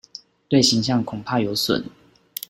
對形象恐怕有損